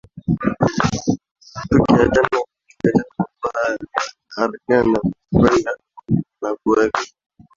tukiachana na mambo haya arsene venga na kuweza